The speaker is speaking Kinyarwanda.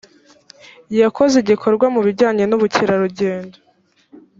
yakoze igikorwa mu bijyanye n’ubukerarugendo